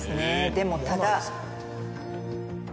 でもただ。